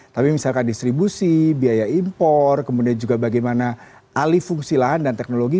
tapi misalkan distribusi biaya impor kemudian juga bagaimana alih fungsi lahan dan teknologi